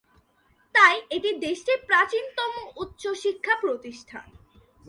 তাই এটি দেশটির প্রাচীনতম উচ্চশিক্ষা প্রতিষ্ঠান।